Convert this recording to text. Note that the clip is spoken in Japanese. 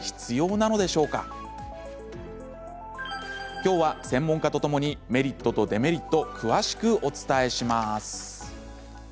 きょうは専門家とともにメリットとデメリットを詳しくお伝えします。